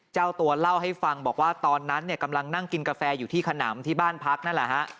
เจ้าตัวเล่าให้ฟังบอกว่าตอนนั้นเนี่ยกำลังนั่งกินกาแฟอยู่ที่ขนำที่บ้านพักนั่นแหละฮะ